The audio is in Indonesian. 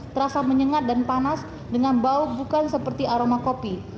terasa menyengat dan panas dengan bau bukan seperti aroma kopi